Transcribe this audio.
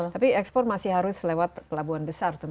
tapi ekspor masih harus lewat pelabuhan besar tentu saja